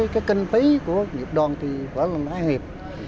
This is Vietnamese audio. cái kinh phí của nghiệp đoàn thì vẫn là lãng hiệp